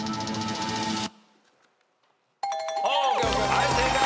はい正解。